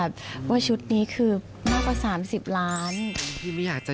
ของเราประมาณ๓๐๐ก็โอเค